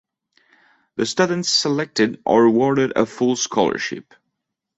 The students selected are awarded a full scholarship.